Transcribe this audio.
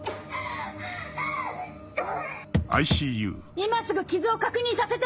今すぐ傷を確認させて！